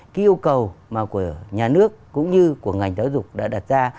cái yêu cầu mà của nhà nước cũng như của ngành giáo dục đã đặt ra